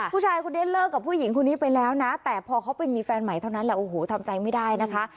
ผู้ชายคนนี้เลิกกับผู้หญิงคนนี้ไปแล้วนะแต่พอเขาไปมีแฟนใหม่เท่านั้นแหละโอ้โหทำใจไม่ได้นะคะ